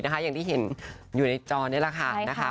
อย่างที่เห็นอยู่ในจอนี่แหละค่ะ